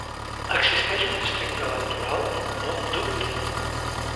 Existeix un districte electoral amb el nom d'Upton.